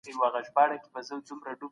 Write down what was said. په مال کي د غریبو برخه مه هېروئ.